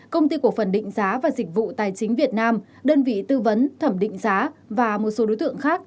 công ty cổ phần định giá và dịch vụ tài chính việt nam đơn vị tư vấn thẩm định giá và một số đối tượng khác